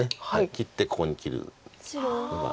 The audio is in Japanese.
切ってここに切る。